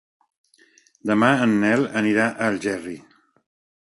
Demà en Nel anirà a Algerri.